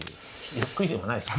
ゆっくりでもないですかね。